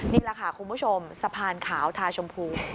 นี่แหละค่ะคุณผู้ชมสะพานขาวทาชมพู